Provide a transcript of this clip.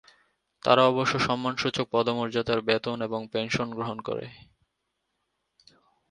তারা অবশ্য সম্মানসূচক পদমর্যাদার বেতন এবং পেনশন গ্রহণ করে।